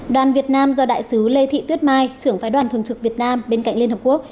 đoàn việt nam do đại sứ lê thị tuyết mai trưởng phái đoàn thường trực việt nam bên cạnh liên hợp quốc